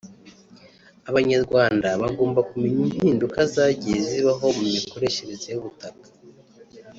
Abanyarwanda bagomba kumenya impinduka zagiye zibaho mu mikoreshereze y’ubutaka